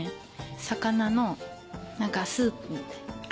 魚のスープみたいな。